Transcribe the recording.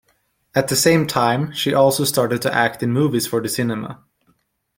At the same time she also started to act in movies for the cinema.